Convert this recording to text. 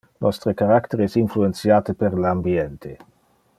Nostre character es influentiate per le ambiente.